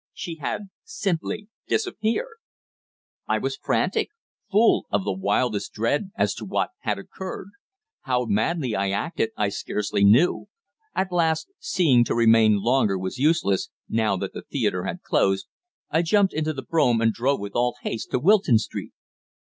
She had simply disappeared. I was frantic, full of the wildest dread as to what had occurred. How madly I acted I scarcely knew. At last, seeing to remain longer was useless, now that the theatre had closed, I jumped into the brougham and drove with all haste to Wilton Street.